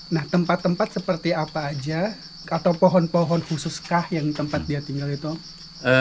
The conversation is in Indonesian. nah tempat tempat seperti apa aja atau pohon pohon khusus kah yang tempat dia tinggal itu